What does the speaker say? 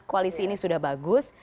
koalisi ini sudah bagus